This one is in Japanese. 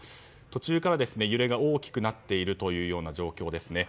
途中から揺れが大きくなっているという状況ですね。